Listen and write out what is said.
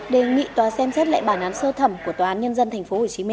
đề nghị tòa xem xét lại bản án sơ thẩm của tòa án nhân dân tp hcm